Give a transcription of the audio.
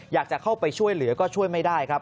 อยากจะเข้าไปช่วยเหลือก็ช่วยไม่ได้ครับ